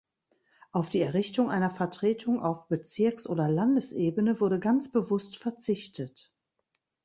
Auf die Errichtung einer Vertretung auf Bezirks- oder Landesebene wurde ganz bewusst verzichtet.